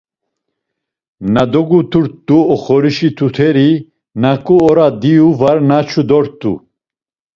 Na doguturt̆u oxorişi tuteri, naǩu ora diyu var naçu dort̆u.